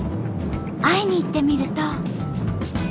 会いに行ってみると。